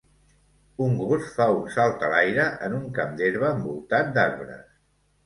Un gos fa un salt a l'aire en un camp d'herba envoltat d'arbres.